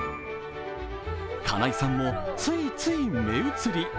金井さんも、ついつい目移り。